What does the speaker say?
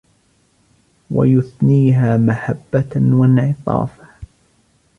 وَيُثْنِيهَا مَحَبَّةً وَانْعِطَافًا